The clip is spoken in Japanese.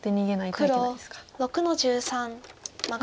黒６の十三マガリ。